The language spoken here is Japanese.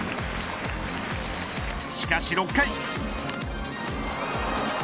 しかし６回。